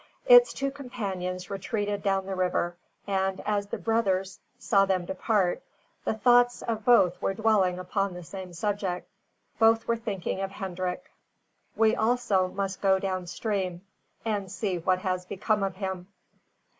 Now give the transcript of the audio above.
Its two companions retreated down the river, and, as the brothers saw them depart, the thoughts of both were dwelling upon the same subject. Both were thinking of Hendrik! We also must go down stream, and see what has become of him.